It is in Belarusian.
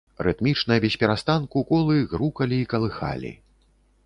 Рытмічна, бесперастанку колы грукалі і калыхалі.